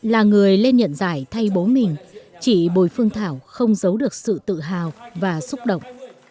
là người lên nhận giải thay bố mình chị bùi phương thảo không giấu được sự tự hào và xúc động